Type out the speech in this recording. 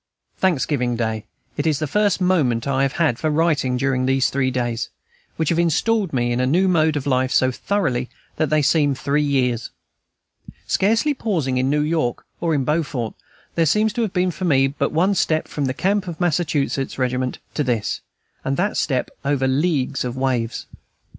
Thanksgiving Day; it is the first moment I have had for writing during these three days, which have installed me into a new mode of life so thoroughly that they seem three years. Scarcely pausing in New York or in Beaufort, there seems to have been for me but one step from the camp of a Massachusetts regiment to this, and that step over leagues of waves.